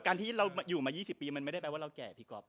การที่เราอยู่มา๒๐ปีมันไม่ได้แปลว่าเราแก่พี่ก๊อฟ